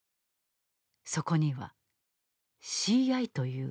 そこには「ＣＩ」という文字が。